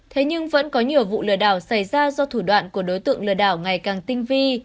thế nhưng vẫn có nhiều vụ lừa đảo xảy ra do thủ đoạn của đối tượng lừa đảo ngày càng tinh vi